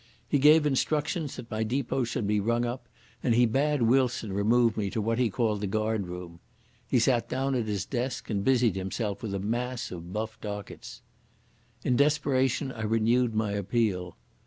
He gave instructions that my depot should be rung up, and he bade Wilson remove me to what he called the guard room. He sat down at his desk, and busied himself with a mass of buff dockets. In desperation I renewed my appeal.